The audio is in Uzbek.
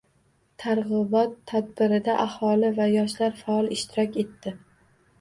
Targ‘ibot tadbirida aholi va yoshlar faol ishtirok etdi